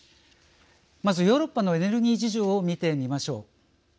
まず、ヨーロッパのエネルギー事情を見てみましょう。